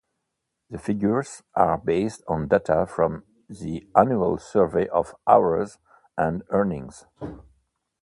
The figures are based on data from the Annual Survey of Hours and Earnings.